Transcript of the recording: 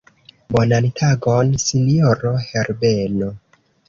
Bonan tagon, sinjoro Herbeno.